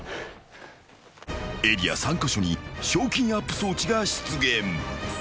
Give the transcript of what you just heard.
［エリア３カ所に賞金アップ装置が出現］